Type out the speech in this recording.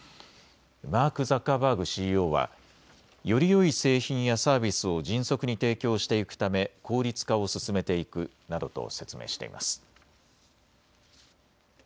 マーク・ザッカーバーグＣＥＯはよりよい製品やサービスを迅速に提供していくため、効率化を進めていくなどと説明しています。